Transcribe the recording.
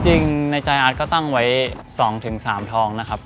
จริงในใจอาร์ตก็ตั้งไว้๒๓ทองนะครับ